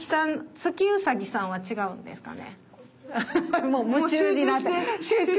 月ウサギさんは違うんですかね。